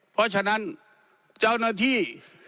เพราะฉะนั้นเจ้าหน้าที่